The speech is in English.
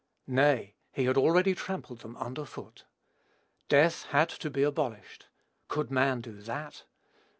Nay, he had already trampled them under foot. Death had to be abolished. Could man do that?